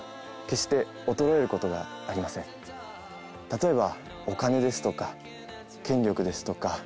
例えば。